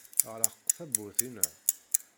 Ɣleq tawwurt-inna.